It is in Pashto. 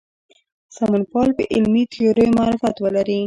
سمونپال په علمي تیوریو معرفت ولري.